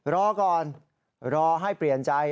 รอก่อนรอให้เปลี่ยนใจ